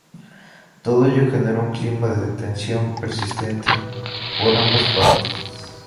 Todo ello generó un clima de tensión persistente por ambas partes.